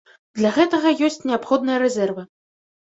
Для гэтага ёсць неабходныя рэзервы.